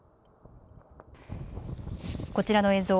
こちらの映像